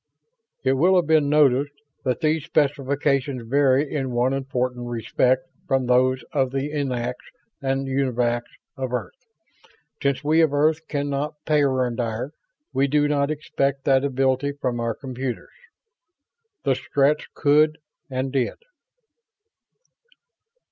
It will have been noticed that these specifications vary in one important respect from those of the Eniacs and Univacs of Earth. Since we of Earth can not peyondire, we do not expect that ability from our computers. The Stretts could, and did.